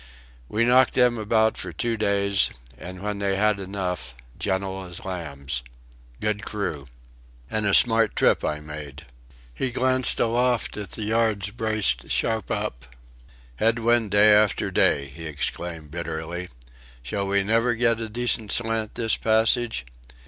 We knocked them about for two days, and when they had enough gentle as lambs. Good crew. And a smart trip I made." He glanced aloft at the yards braced sharp up. "Head wind day after day," he exclaimed, bitterly. "Shall we never get a decent slant this passage?"